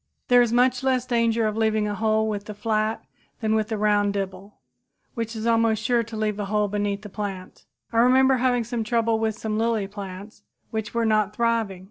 There is much less danger of leaving a hole with the flat than with the round dibble, which is almost sure to leave a hole beneath the plant. I remember having trouble with some lily plants which were not thriving.